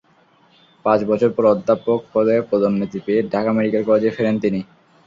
পাঁচ বছর পরে অধ্যাপক পদে পদোন্নতি পেয়ে ঢাকা মেডিকেল কলেজে ফেরেন তিনি।